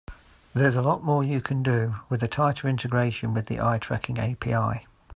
There's a lot more you can do with a tighter integration with the eye tracking API.